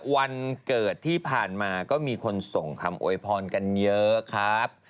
วันเกิดที่ผ่านมาก็มีคนส่งคำโวยพรกันเยอะครับ